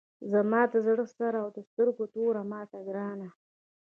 زما د زړه سر او د سترګو توره ماته ګرانه!